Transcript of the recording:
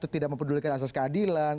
tidak mempedulikan asas keadilan